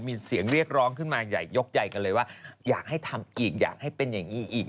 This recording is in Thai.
มีเสียงเรียกร้องขึ้นมายกใหญ่กันเลยว่าอยากให้ทำอีกอยากให้เป็นอย่างนี้อีก